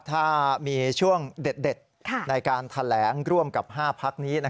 ถ้ามีช่วงเด็ดในการแถลงร่วมกับ๕พักนี้